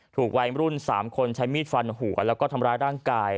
วัยมรุ่น๓คนใช้มีดฟันหัวแล้วก็ทำร้ายร่างกาย